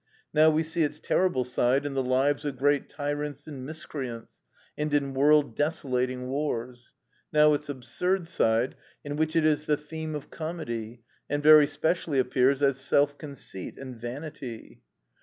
Now we see its terrible side in the lives of great tyrants and miscreants, and in world desolating wars; now its absurd side, in which it is the theme of comedy, and very specially appears as self conceit and vanity.